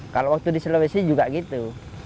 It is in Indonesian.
kalau waktu di sulawesi juga gitu